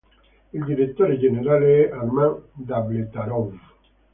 Il direttore generale è Arman Davletarov.